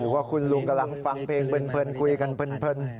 ว่าคุณลุงกำลังฟังเพลงเพลินคุยกันเพลิน